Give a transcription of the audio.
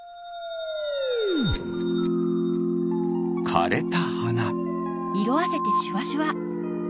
かれたはな。